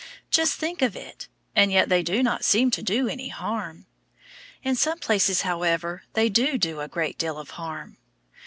Just think of it! and yet they do not seem to do any harm. In some places, however, they do a great deal of harm.